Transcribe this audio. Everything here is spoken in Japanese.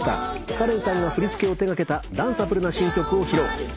かれんさんが振り付けを手掛けたダンサブルな新曲を披露。